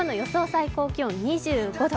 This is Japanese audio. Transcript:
最高気温、２５度。